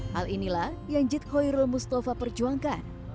hal inilah yang jid khoirul mustafa perjuangkan